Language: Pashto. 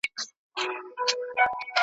ما یاغي قلم ته د عقاب شهپر اخیستی دی `